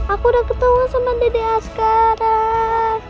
aku udah ketawa sama dedek askaran